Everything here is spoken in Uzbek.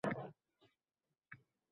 Homilador ekanimni ham sezmabman